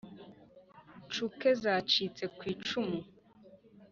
Nshuke zacitse kw'icumu